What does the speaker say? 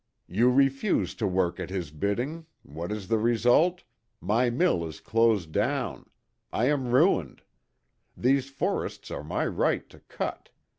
You refuse to work at his bidding; what is the result? My mill is closed down. I am ruined. These forests are my right to cut.